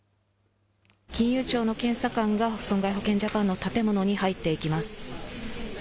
金融庁の検査官が、損害保険ジャパンの建物に入っていきます。